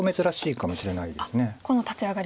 この立ち上がり。